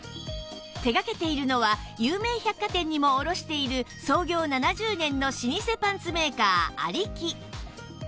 手掛けているのは有名百貨店にも卸している創業７０年の老舗パンツメーカー有木